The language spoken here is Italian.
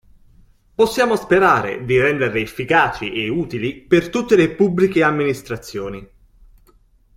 Possiamo sperare di renderle efficaci e utili per tutte le Pubbliche Amministrazioni.